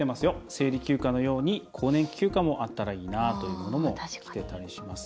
「生理休暇のように更年期休暇もあったらいいな」というものもきてたりします。